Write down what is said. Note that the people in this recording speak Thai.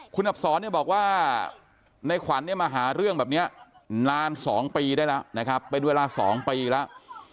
คุณอับสอนเนี่ยบอกว่าในขวัญเนี่ยมาหาเรื่องแบบนี้นาน๒ปีได้แล้วนะครับเป็นเวลา๒ปีแล้ว